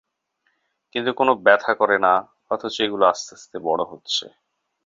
কিন্তু কোনো ব্যথা করে না অথচ এগুলো আস্তে আস্তে বড় হচ্ছে।